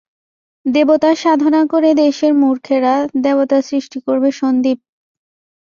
দেবতার সাধনা করে দেশের মূর্খেরা, দেবতার সৃষ্টি করবে সন্দীপ।